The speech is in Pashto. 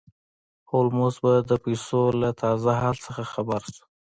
هولمز به د پولیسو له تازه حال څخه خبر شو.